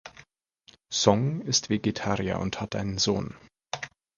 Song ist Vegetarier und hat einen Sohn.